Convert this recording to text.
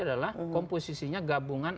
adalah komposisinya gabungan